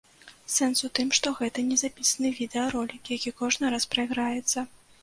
Сэнс у тым, што гэта не запісаны відэаролік, які кожны раз прайграецца.